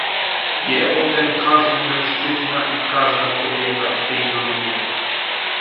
"Wie o tem każdy mężczyzna i każda kobieta w tej dolinie."